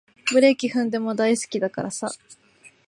ブレーキ踏んでも大好きだからさ